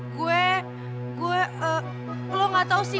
gue lo gak tau sih